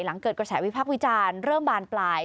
หลังเกิดกระแสวิพักษ์วิจารณ์เริ่มบานปลาย